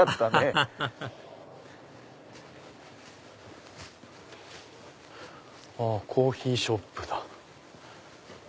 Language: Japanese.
アハハハハあっコーヒーショップだ。